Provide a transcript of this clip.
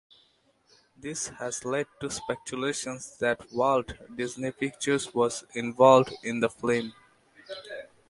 This has led to speculations that Walt Disney Pictures was involved in the film.